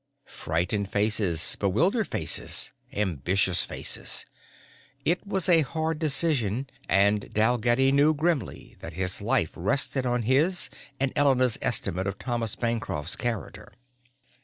Frightened faces, bewildered faces, ambitious faces it was a hard decision and Dalgetty knew grimly that his life rested on his and Elena's estimate of Thomas Bancroft's character.